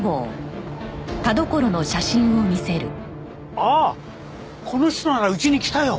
ああこの人ならうちに来たよ。